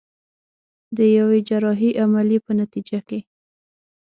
د يوې جراحي عمليې په نتيجه کې.